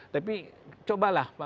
tapi cobalah pak menteri